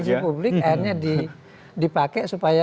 di publik akhirnya dipakai supaya